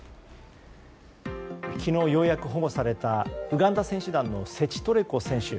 昨日、ようやく保護されたウガンダ選手団のセチトレコ選手。